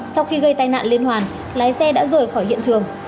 sau khi gây tai nạn liên hoàn lái xe đã rời khỏi hiện trường